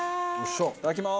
いただきまーす！